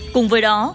cùng với đó